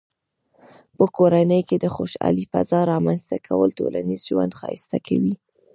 په کورنۍ کې د خوشحالۍ فضاء رامنځته کول ټولنیز ژوند ښایسته کوي.